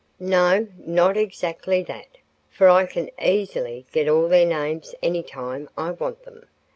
"No, not exactly that, for I can easily get all their names any time I want them.